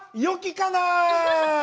よきかな！